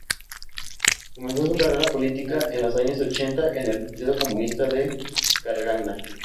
Comenzó su carrera política en los años ochenta en el partido comunista de Karagandá.